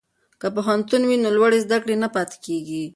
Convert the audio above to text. که پوهنتون وي نو لوړې زده کړې نه پاتیږي.